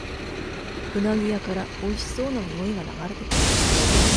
うなぎ屋からおいしそうなにおいが流れてくる